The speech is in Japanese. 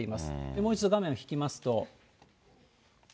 もう一度画面を引きますと。